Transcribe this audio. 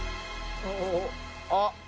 「あっ！